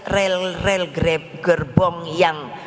rel rel grab gerbong yang